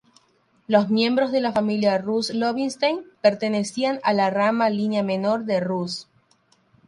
Los miembros de la familia Reuss-Lobenstein pertenecían a la rama línea menor de Reuss.